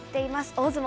大相撲